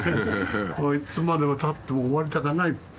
いつまでも歌って終わりたくはない。